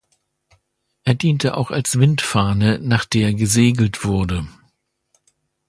Er diente auch als Windfahne, nach der gesegelt wurde.